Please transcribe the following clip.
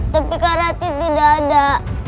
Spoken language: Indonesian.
tapi kak rati tidak ada